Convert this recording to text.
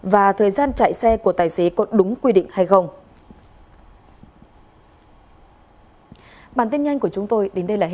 và thời gian chạy xe của tài xế có đúng quy định hay không